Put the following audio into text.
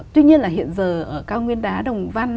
tuy nhiên là hiện giờ ở cao nguyên đá đồng văn